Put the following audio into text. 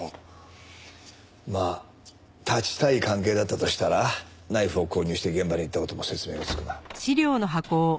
まあ断ちたい関係だったとしたらナイフを購入して現場に行った事も説明がつくな。